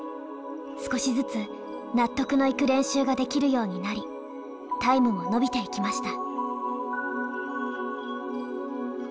少しずつ納得のいく練習ができるようになりタイムも伸びていきました。